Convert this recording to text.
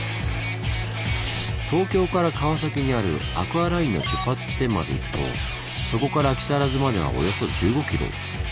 東京から川崎にあるアクアラインの出発地点まで行くとそこから木更津まではおよそ１５ｋｍ。